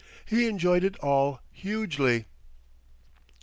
He enjoyed it all hugely.